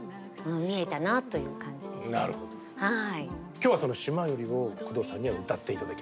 今日はその「島より」を工藤さんには歌って頂けると。